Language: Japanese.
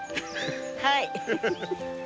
はい。